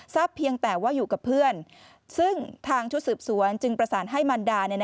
เพียงแต่ว่าอยู่กับเพื่อนซึ่งทางชุดสืบสวนจึงประสานให้มันดา